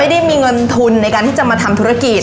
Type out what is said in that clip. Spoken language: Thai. ไม่ได้มีเงินทุนในการทำธุรกิจ